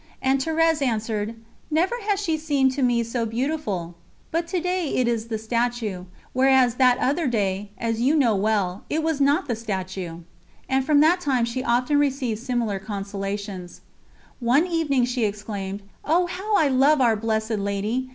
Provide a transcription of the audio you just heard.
And Thérèse answered: "Never has she seemed to me so beautiful ... but to day it is the statue, whereas that other day, as you well know, it was not the statue!" And from that time she often received similar consolations. One evening she exclaimed: "Oh, how I love Our Blessed Lady!